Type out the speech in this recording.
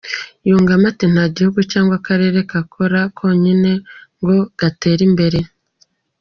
Yunzemo ati "Nta gihugu cyangwa akarere kakora konyine ngo gatere imbere.